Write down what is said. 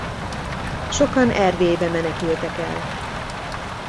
Sokan Erdélybe menekültek el.